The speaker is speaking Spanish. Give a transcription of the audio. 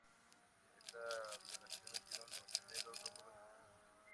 De esta violación nacieron los gemelos Rómulo y Remo.